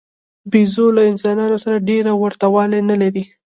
بیزو له انسانانو سره ډېره ورته والی نه لري.